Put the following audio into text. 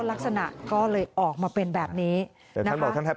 ดูนะนี่ครับเดินมาแล้วครับ